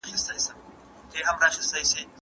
د کور دننه برېښنا سويچونه خوندي کړئ.